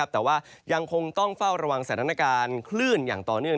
แต่ว่ายังคงต้องเฝ้าระวังสถานการณ์คลื่นอย่างต่อเนื่อง